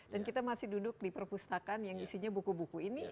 dan kita masih duduk di perpustakaan yang isinya buku buku